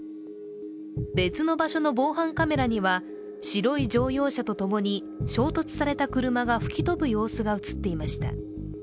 別の場所の防犯カメラには白い乗用車とともに衝突された車が吹き飛ぶ様子が映っていました。